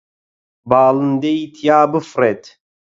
باڵندەی تیا بفڕێت